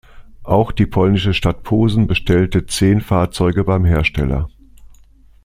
Auch die polnische Stadt Posen bestellte zehn Fahrzeuge beim Hersteller.